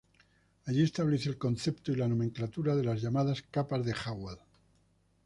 Allí estableció el concepto y la nomenclatura de las llamadas "capas de Jagüel".